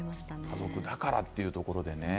家族だからというところでね。